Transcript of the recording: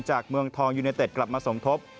เมืองทองยูเนเต็ดกลับมาสมทบ